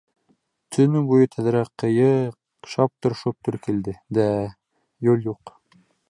-Төнө буйы тәҙрә, ҡыйыҡ шаптыр-шоптор килде, дә-ә, юл юҡ.